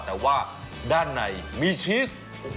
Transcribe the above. แต่ว่าด้านในมีชีส